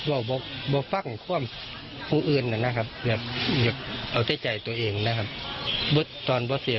แล้วคุยกับลูกชายก็ได้